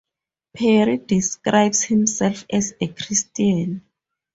Perry describes himself as a Christian.